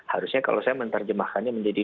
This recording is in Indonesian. harusnya kalau saya menerjemahkannya menjadi